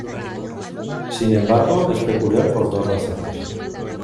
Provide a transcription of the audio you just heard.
Sin embargo, es peculiar por dos razones.